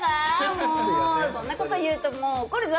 もうそんなこと言うと怒るぞ！